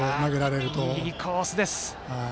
いいコースです。